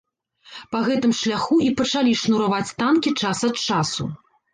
Па гэтым шляху і пачалі шнураваць танкі час ад часу.